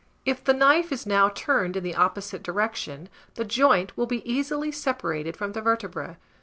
If the knife is now turned in the opposite direction, the joint will be easily separated from the vertebra.